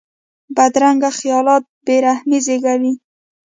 بدرنګه خیالات بې رحمي زېږوي